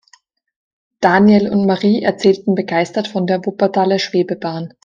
Daniel und Marie erzählten begeistert von der Wuppertaler Schwebebahn.